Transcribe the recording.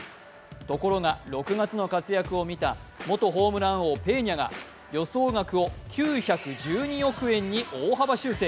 ところが６月の活躍を見た元ホームラン王・ペーニャが予想額を９１２億円に大幅修正。